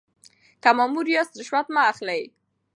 که مامور یاست رشوت مه اخلئ.